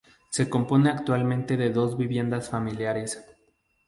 Se compone actualmente de dos viviendas familiares.